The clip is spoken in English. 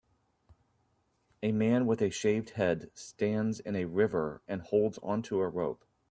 A man with a shaved head stands in a river and holds onto a rope.